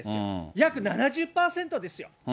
約７０％ですよ。